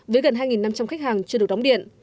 với gần hai năm trăm linh khách hàng chưa được đóng điện